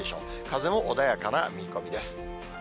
風も穏やかな見込みです。